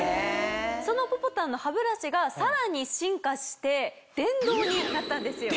そのポポタンの歯ブラシがさらに進化して電動になったんですよ。